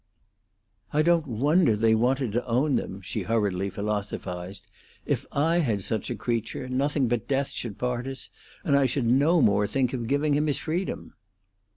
"I don't wonder they wanted to own them," she hurriedly philosophized. "If I had such a creature, nothing but death should part us, and I should no more think of giving him his freedom!"